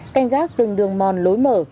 canh gác từng đường mòn lối mở